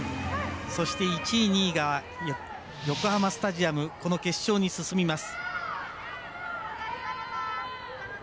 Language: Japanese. そして１位、２位が横浜スタジアムこの決勝に進みます。